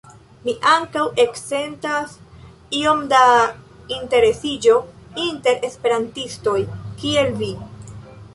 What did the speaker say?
Mi ankaŭ eksentas iom da interesiĝo inter esperantistoj, kiel vi!